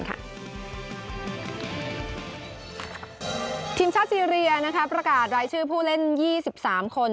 ทีมชาติซีเรียประกาศรายชื่อผู้เล่น๒๓คน